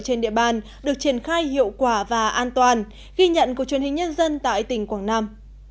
trên địa bàn được triển khai hiệu quả và an toàn ghi nhận của truyền hình nhân dân tại tỉnh quảng nam